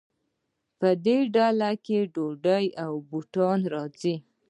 په دې ډله کې ډوډۍ او بوټان راځي.